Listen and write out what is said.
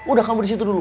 udah kamu di situ dulu